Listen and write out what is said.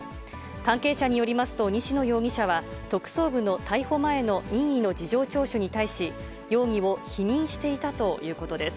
関係者によりますと西野容疑者は、特捜部の逮捕前の任意の事情聴取に対し、容疑を否認していたということです。